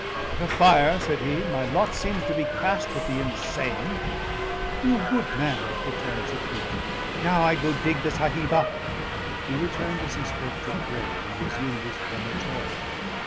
"Light a fire," said he. "My lot seems to be cast with the insane." "You good man," returned Secundra. "Now I go dig the Sahib up." He returned as he spoke to the grave, and resumed his former toil.